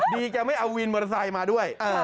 ดีจะไม่เอาวินมอเตอร์ไซค์มาด้วยเออ